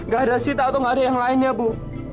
gak ada sita atau gak ada yang lainnya ibu